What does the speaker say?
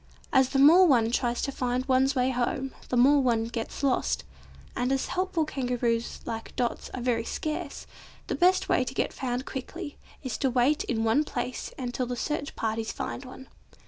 As the more one tries to find one's way home, the more one gets lost, and as helpful Kangaroos like Dot's are very scarce, the best way to get found quickly, is to wait in one place until the search parties find one.